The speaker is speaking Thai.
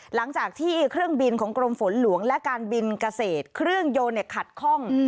หลังจากที่เครื่องบินของกรมฝนหลวงและการบินเกษตรเครื่องยนต์ขัดคล่อง